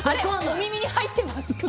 お耳に入ってますか？